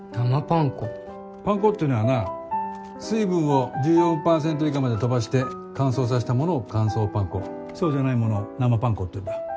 パン粉ってのはな水分を１４％以下まで飛ばして乾燥させたものを乾燥パン粉そうじゃないものを生パン粉っていうんだ。